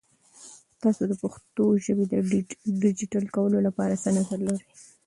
تاسو د پښتو ژبې د ډیجیټل کولو لپاره څه نظر لرئ؟